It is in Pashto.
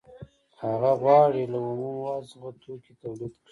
هغه غواړي له اومو موادو څخه توکي تولید کړي